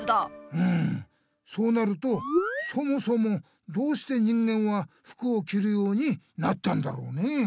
うんそうなるとそもそもどうして人間は服をきるようになったんだろうねえ。